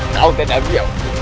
kau tidak biar